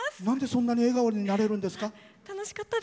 何でそんなに笑顔になれるんですか？